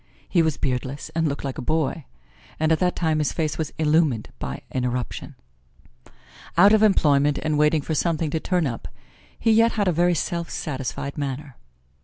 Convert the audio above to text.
He was beardless and looked like a boy, and at that time his face was illumined by an eruption. Out of employment and waiting for something to turn up, he yet had a very self satisfied manner.